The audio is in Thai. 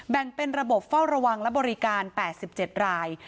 แบ่งเป็นระบบเฝ้าระวังและบริการ๘๗ราย